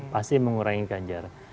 pasti mengurangi ganjar